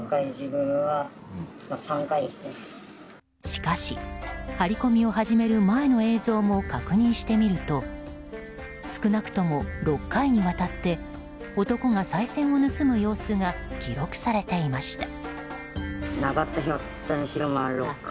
しかし、張り込みを始める前の映像も確認してみると少なくとも６回にわたって男がさい銭を盗む様子が記録されていました。